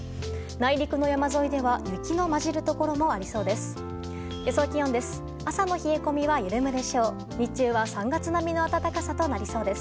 内陸の山沿いでは雪の交じるところもありそうです。